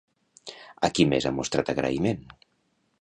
A qui més ha mostrat agraïment?